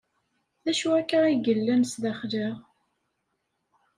D acu akka ay yellan sdaxel-a?